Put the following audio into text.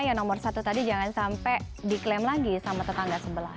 yang nomor satu tadi jangan sampai diklaim lagi sama tetangga sebelah